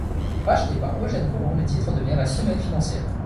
Racheté par Eugène Rolland, le titre devient La Semaine financière.